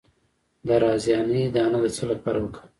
د رازیانې دانه د څه لپاره وکاروم؟